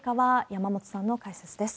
山本さんの解説です。